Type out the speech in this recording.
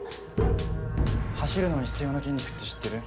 走るのに必要な筋肉って知ってる？